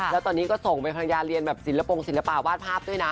แล้วตอนนี้ก็ส่งไปภรรยาเรียนแบบศิลปงศิลปะวาดภาพด้วยนะ